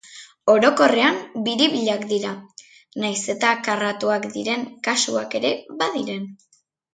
Orokorrean biribilak dira, nahiz eta karratuak diren kasuak ere badiren.